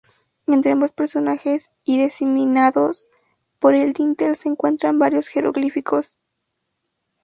Entre ambos personajes y diseminados por el dintel, se encuentran varios jeroglíficos.